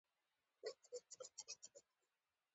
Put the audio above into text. پیاز د ژمي لپاره ګټور دی